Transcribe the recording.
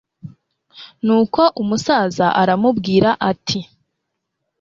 nuko umusaza aramubwira ati